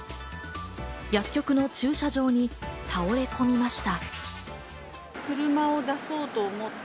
薬局の駐車場に倒れこみました。